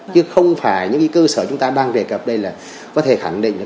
chứ không phải những cái cơ sở chúng ta đang đề cập đây là có thể khẳng định